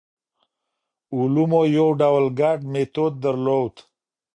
علومو یو ډول ګډ میتود درلود.